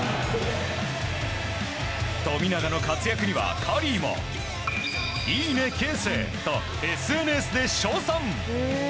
富永の活躍にはカリーも「いいね、啓生」とＳＮＳで称賛！